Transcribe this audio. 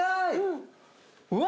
うわ！